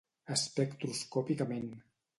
Espectroscòpicament.